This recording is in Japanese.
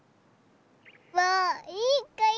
もういいかい？